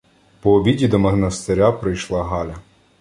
По обіді до монастиря прийшла Галя.